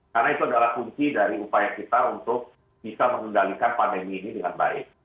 karena itu adalah kunci dari upaya kita untuk bisa mengendalikan pandemi ini dengan baik